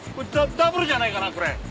ダブルじゃないかなこれ。